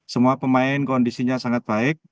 semua pemain kondisinya sangat baik